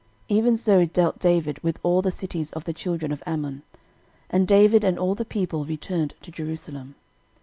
Even so dealt David with all the cities of the children of Ammon. And David and all the people returned to Jerusalem.